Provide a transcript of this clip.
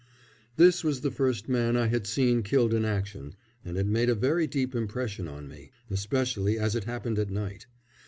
This was the first man I had seen killed in action, and it made a very deep impression on me, especially as it happened at night.